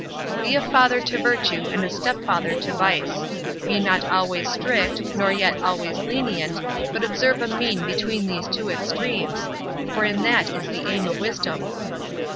Be a father to virtue and a stepfather to vice. Be not always strict, nor yet always lenient, but observe a mean between these two extremes, for in that is the aim of wisdom.